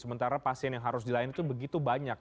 sementara pasien yang harus dilayani itu begitu banyak